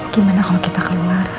gimana kalau kita keluar